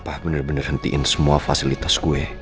papa bener bener hentiin semua fasilitas gue